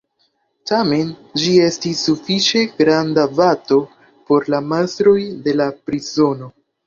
Tamen, ĝi estis sufiĉe granda bato por la mastroj de la prizono.